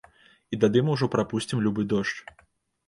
І тады мы ўжо прапусцім любы дождж.